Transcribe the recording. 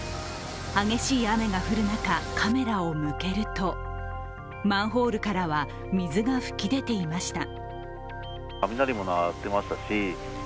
激しい雨が降る中カメラを向けるとマンホールからは水が噴き出ていました。